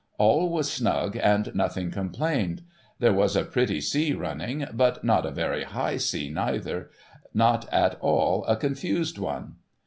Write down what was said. All was snug, and nothing complained. There was a pretty sea running, but not a very high sea neither, not at all a confused one.